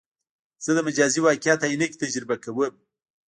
زه د مجازي واقعیت عینکې تجربه کوم.